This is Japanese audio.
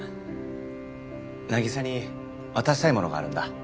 凪沙に渡したいものがあるんだ。